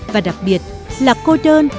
và đặc biệt là cô đơn